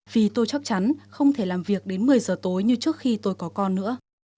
vì tôi chắc chắn không thể làm việc đến một mươi giờ tối như trước khi tôi có con nữa